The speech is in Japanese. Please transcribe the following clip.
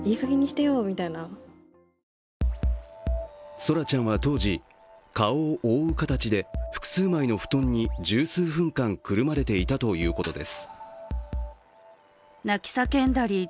奏良ちゃんは当時、顔を覆う形で複数枚の布団に十数分間包まれていたということです。